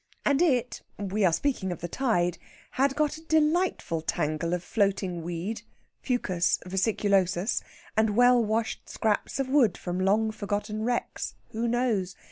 And it we are speaking of the tide had got a delightful tangle of floating weed (Fucus Vesiculosus) and well washed scraps of wood from long forgotten wrecks who knows?